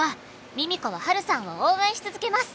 ミミ子はハルさんを応援し続けます！」